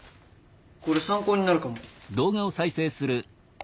これ参考になるかも。